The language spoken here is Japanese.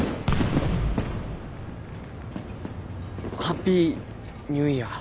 ハッピーニューイヤー。